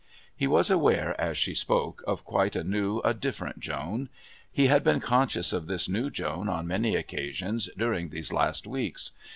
He was aware, as she spoke, of quite a new, a different Joan; he had been conscious of this new Joan on many occasions during these last weeks.